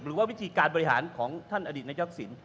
หรือว่าวิธีการบริหารของท่านอดีตนายกศิลป